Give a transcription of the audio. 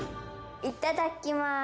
いただきまーす！